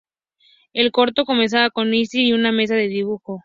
El corto, comenzaba con Ising y una mesa de dibujo.